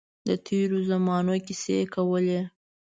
د تېرو زمانو کیسې کولې.